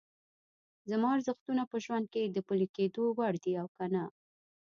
زما ارزښتونه په ژوند کې د پلي کېدو وړ دي او که نه؟